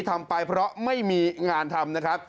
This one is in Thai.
ทำไปเพราะไม่มีงานทำนะครับ